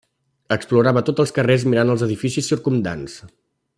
Explorava tots els carrers mirant els edificis circumdants.